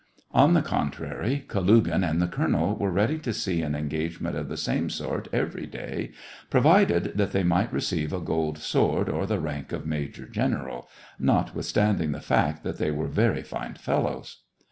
On the contrary, Kalugin and the colonel were ready to see an engagement of the same sort every day, provided that they might receive a gold sword or the rank of major general — not withstanding the fact that they were very fine fel lows.